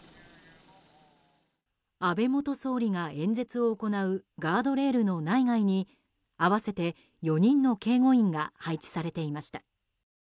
安倍元総理が演説を行うガードレールの内外に合わせて４人の警護員が配置されていました。